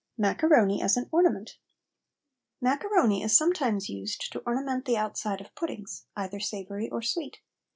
MACARONI AS AN ORNAMENT. Macaroni is sometimes used to ornament the outside of puddings, either savoury or sweet.